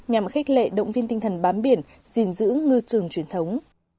nhằm khích lệ động viên tinh thần bám biển gìn giữ ngư trường truyền thống